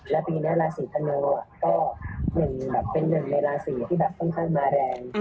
แล้วปีนี้ราศีธนูก็เป็นหนึ่งในราศีที่แบบค่อนข้างมาแรง